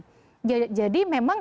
jadi memang ada pasal yang harus dilakukan